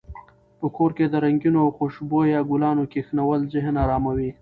په کور کې د رنګینو او خوشبویه ګلانو کښېنول ذهن اراموي.